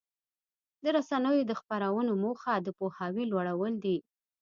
د رسنیو د خپرونو موخه د پوهاوي لوړول دي.